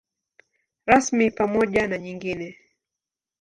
Rasmi pamoja na nyingine.